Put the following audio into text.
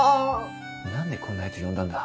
何でこんなやつ呼んだんだ。